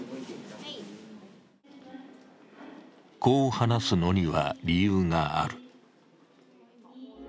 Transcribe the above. こう話すのには、理由がある。